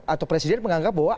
atau presiden menganggap bahwa